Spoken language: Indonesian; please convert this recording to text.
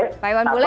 pak iwan bule